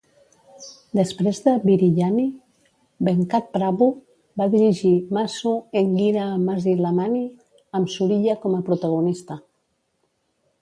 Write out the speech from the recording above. Després de "Biriyani", Venkat Prabhu va dirigir "Massu Engira Masilamani" amb Suriya com a protagonista.